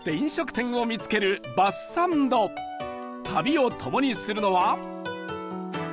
旅を共にするのは